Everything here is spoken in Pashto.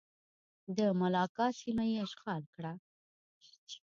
د ملاکا سیمه یې اشغال کړه.